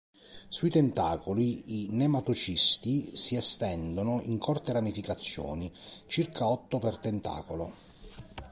Sui tentacoli, i nematocisti si estendono in corte ramificazioni, circa otto per tentacolo.